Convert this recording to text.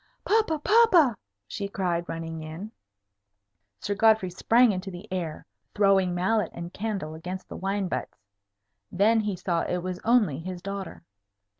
"Papa! papa!" she cried, running in. Sir Godfrey sprang into the air, throwing mallet and candle against the wine butts. Then he saw it was only his daughter.